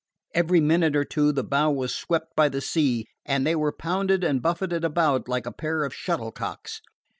Every minute or two the bow was swept by the sea, and they were pounded and buffeted about like a pair of shuttlecocks.